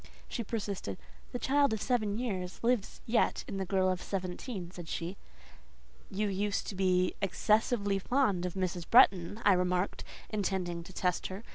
She persisted. "The child of seven years lives yet in the girl of seventeen," said she. "You used to be excessively fond of Mrs. Bretton," I remarked, intending to test her.